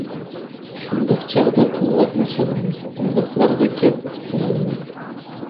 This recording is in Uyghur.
شۇنداق چاغدا تىللاپمۇ سالىمىز ئۇنداقلارغا گەپ ئۇقتۇرالماي.